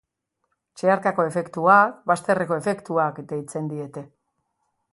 Zeharkako efektuak, bazterreko efektuak, deitzen diete.